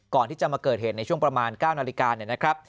ก่อนที่จะมาเกิดเหตุในช่วงประมาณ๙นาฬิกา